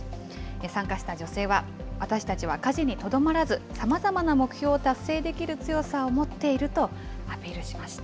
参加した女性は、私たちは家事にとどまらず、さまざまな目標を達成できる強さを持っているとアピールしました。